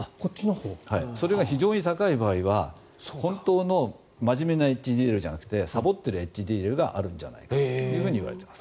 それが非常に高い場合は本当の真面目なＨＤＬじゃなくてさぼっているＨＤＬがあるんじゃないかと言われています。